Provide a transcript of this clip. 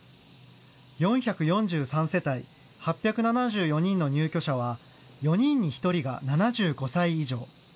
４４３世帯、８７４人の入居者は４人に１人が７５歳以上。